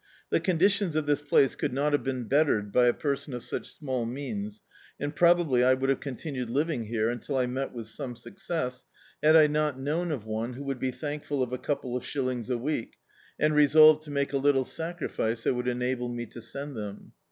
The cCKiditions of this place could not have been bet tered by a person of such small means, and probably I would have continued living here until I met with some success, had I not known of one who would be thankful of a couple of shillings a week, and resolved to make a litde sacrifice that would enable me to send them.